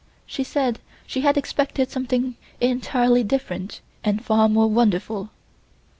She said she had expected something entirely different and far more wonderful.